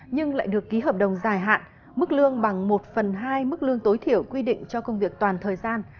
nhưng lại được ký hợp đồng dài hạn mức lương bằng một phần hai mức lương tối thiểu quy định cho công việc toàn thời gian